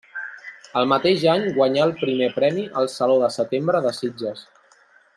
El mateix any guanyà el Primer premi al Saló de setembre de Sitges.